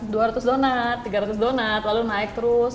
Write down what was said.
dua ratus donat tiga ratus donat lalu naik terus